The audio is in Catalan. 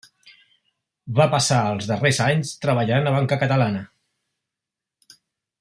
Va passar els darrers anys treballant a Banca Catalana.